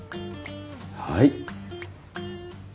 はい。